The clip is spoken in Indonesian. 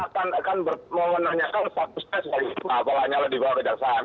kita akan akan mau menanyakan satu ses dari pak lanyala dibawa ke kejaksaan